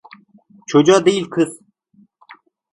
Çocuğa değil kız…